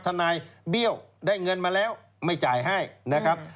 ทนายเบี้ยวได้เงินมาแล้วไม่จ่ายให้นะครับ